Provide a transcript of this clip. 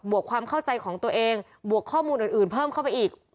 วกความเข้าใจของตัวเองบวกข้อมูลอื่นเพิ่มเข้าไปอีก